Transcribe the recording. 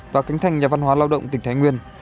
và khánh thành nhà văn hóa lao động tỉnh thái nguyên